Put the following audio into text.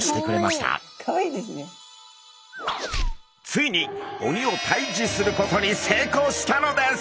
ついに鬼を退治することに成功したのです！